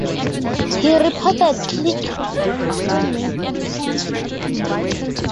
He reportedly killed one to three men who refused.